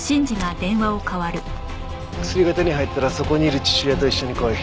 薬が手に入ったらそこにいる父親と一緒に来い。